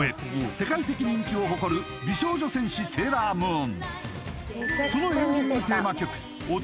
世界的人気を誇る「美少女戦士セーラームーン」